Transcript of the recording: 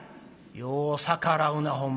「よう逆らうなほんまに。